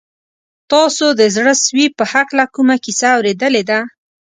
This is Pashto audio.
تاسو د زړه سوي په هکله کومه کیسه اورېدلې ده؟